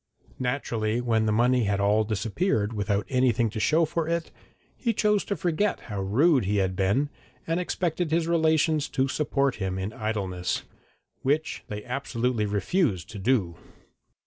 Naturally, when the money had all disappeared without anything to show for it, he chose to forget how rude he had been, and expected his relations to support him in idleness, which they absolutely refused to do.